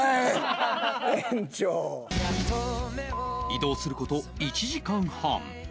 移動する事１時間半